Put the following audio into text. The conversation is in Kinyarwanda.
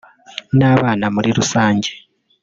n’abana muri rusange